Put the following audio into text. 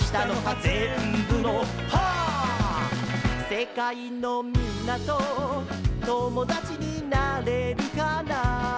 「世界のみんなと友達になれるかな」